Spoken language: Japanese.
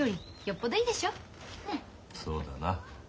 そうだな。